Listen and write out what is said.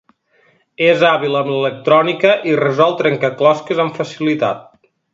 És hàbil amb l'electrònica i resol trencaclosques amb facilitat.